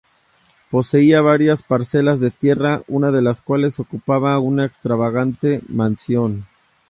Poseía varias parcelas de tierra, una de las cuales ocupaba una extravagante mansión.